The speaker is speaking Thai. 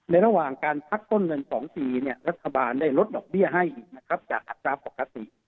ระหว่างการพักต้นเงิน๒ปีรัฐบาลได้ลดดอกเบี้ยให้อีกนะครับจากอัตราปกติ